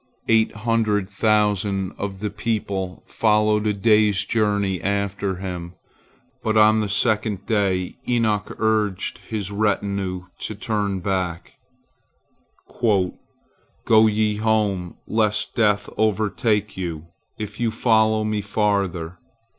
Eight hundred thousand of the people followed a day's journey after him. But on the second day Enoch urged his retinue to turn back: "Go ye home, lest death overtake you, if you follow me farther."